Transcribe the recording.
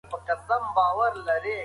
ایا ستاسې ملګري ستاسې ملاتړ کوي؟